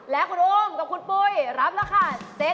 และคุณอุ้มกับคุณปุ๊ยรับราคา๗๕๐๐บาท